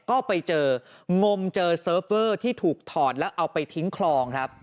ก็ไปเจองมเจอเซิร์ฟเวอร์ที่ถูกถอดแล้วเอาไปทิ้งคลองครับ